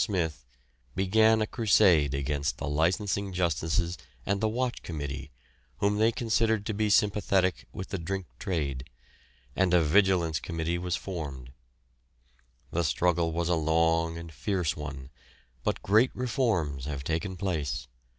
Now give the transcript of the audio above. Smith began a crusade against the licensing justices and the Watch Committee, whom they considered to be sympathetic with the drink "trade," and a Vigilance Committee was formed. The struggle was a long and fierce one, but great reforms have taken place.